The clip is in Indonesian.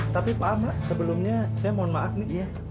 tapi pak mak sebelumnya saya mohon maaf nih ya